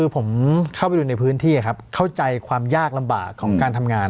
ผมเข้าไปดูในพื้นที่ครับเข้าใจความยากลำบากของการทำงาน